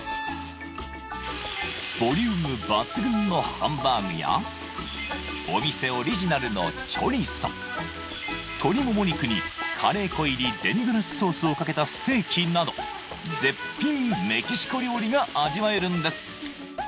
ボリューム抜群のハンバーグやお店オリジナルのチョリソ鳥もも肉にカレー粉入りデミグラスソースをかけたステーキなど絶品メキシコ料理が味わえるんです！